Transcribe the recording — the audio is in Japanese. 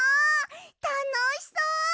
たのしそう！